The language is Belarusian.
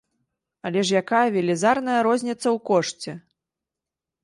Але ж якая велізарная розніца ў кошце!